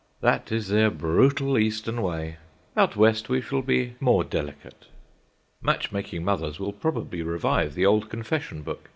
That is their brutal Eastern way. Out West we shall be more delicate. Match making mothers will probably revive the old confession book.